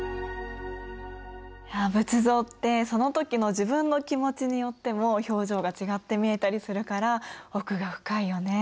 いや仏像ってその時の自分の気持ちによっても表情が違って見えたりするから奥が深いよね。